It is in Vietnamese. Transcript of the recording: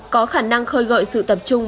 có khả năng khơi gợi sự tập trung